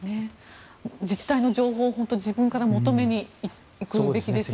自治体の情報を自分から求めに行くべきですね。